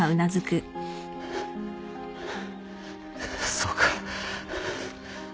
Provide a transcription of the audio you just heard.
そうか